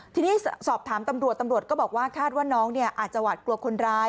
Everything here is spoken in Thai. ทีนี้สอบถามตำรวจตำรวจก็บอกว่าคาดว่าน้องอาจจะหวาดกลัวคนร้าย